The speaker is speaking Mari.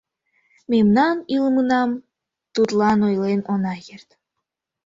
Мемнан илымынам тудлан ойлен она керт.